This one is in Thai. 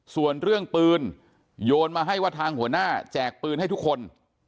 ส่วนเรื่องปืนโยนมาให้ว่าทางหัวหน้าแจกปืนให้ทุกคน